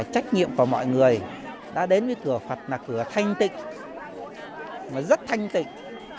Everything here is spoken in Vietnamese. trách nhiệm của mọi người đã đến với cửa phật là cửa thanh tịnh mà rất thanh tịnh